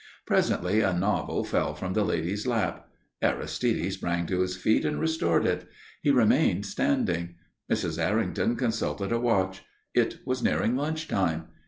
Presently a novel fell from the lady's lap. Aristide sprang to his feet and restored it. He remained standing. Mrs. Errington consulted a watch. It was nearing lunch time.